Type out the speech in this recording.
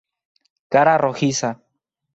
Cara rojiza.